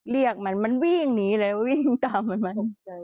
เรียกมันมันวิ่งหนีเลยวิ่งตามให้มัน